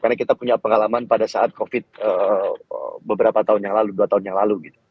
karena kita punya pengalaman pada saat covid beberapa tahun yang lalu dua tahun yang lalu